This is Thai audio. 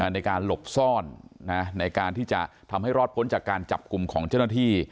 ในการหลบซ่อนในการที่จะทำให้รอดพ้นจากการจับกลุ่มของเจ้าหน้าที่